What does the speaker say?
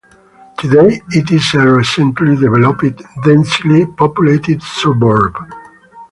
Today, it is a recently developed, densely populated suburb.